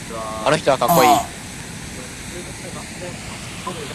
あの人はかっこいい。